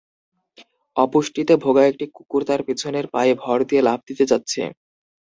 অপুষ্টিতে ভোগা একটি কুকুর তার পিছনের পায়ে ভর দিয়ে লাফ দিতে যাচ্ছে।